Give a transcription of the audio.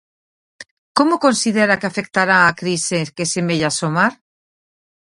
Como considera que afectará a crise que semella asomar?